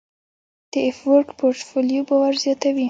د افورک پورټفولیو باور زیاتوي.